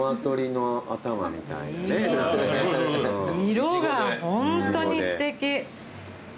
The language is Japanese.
色がホントにすてき。